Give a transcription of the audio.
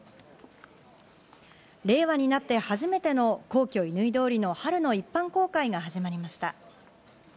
令和になって初めての皇居・乾通りの春の一般公開が始まりました。